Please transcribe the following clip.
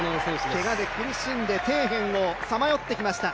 けがで苦しんで底辺をさまよってきました。